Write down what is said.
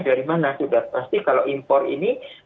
dari mana sudah pasti kalau impor ini